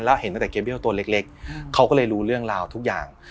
แล้วเห็นตั้งแต่เกมเบลตัวเล็กเขาก็เลยรู้เรื่องราวทุกอย่าง